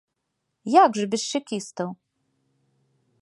Як жа без чэкістаў?